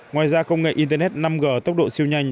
ngoài ra công nghệ internet năm g tốc độ siêu nhanh